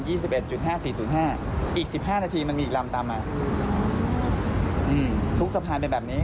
อีก๑๕นาทีมันมีอีกลำตามมาทุกสะพานเป็นแบบนี้